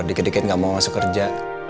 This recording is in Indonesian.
dikit dikit gak mau masuk kerja